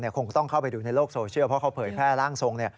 คงต้องเข้าไปดูในโลกโซเชียลเพราะเขาเผยแพร่ร่างทรง